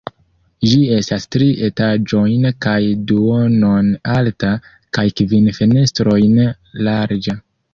Ĝi estas tri etaĝojn kaj duonon alta, kaj kvin fenestrojn larĝa.